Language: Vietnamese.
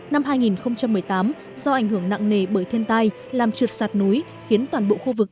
năm hai nghìn một mươi tám do ảnh hưởng nặng nề bởi thiên tai làm trượt sạt núi khiến toàn bộ khu vực